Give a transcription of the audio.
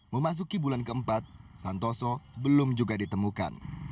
memasuki bulan keempat santoso belum juga ditemukan